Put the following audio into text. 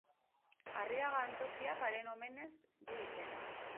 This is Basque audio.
Arriaga antzokiak haren omenez du izena.